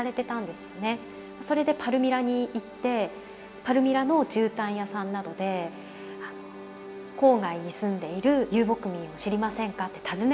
それでパルミラに行ってパルミラのじゅうたん屋さんなどで郊外に住んでいる遊牧民を知りませんかって訪ね歩いたりなどして。